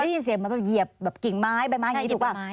ได้ยินเสียงเหมือนแบบเหยียบแบบกิ่งไม้ใบไม้อย่างนี้ถูกป่ะ